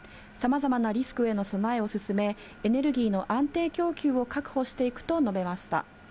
さまざまなリスクへの備えを進め、エネルギーの安定供給を確保していくと述べました。